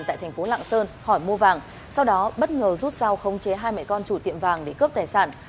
tại thành phố lạng sơn hỏi mua vàng sau đó bất ngờ rút sao không chế hai mẹ con chủ tiệm vàng để cướp tài sản